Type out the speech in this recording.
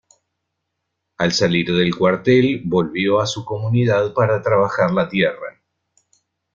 Al salir del cuartel volvió a su comunidad para trabajar la tierra.